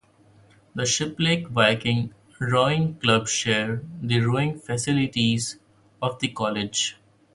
The Shiplake Vikings Rowing Club share the rowing facilities of the college.